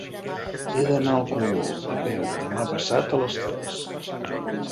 He d'anar al Cogul a peu demà passat a les tres.